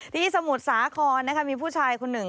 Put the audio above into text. ที่สมุทรสาครมีผู้ชายคุณหนึ่ง